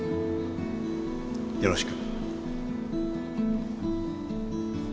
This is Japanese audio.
よろしく。